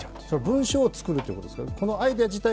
文章を作るってことですか？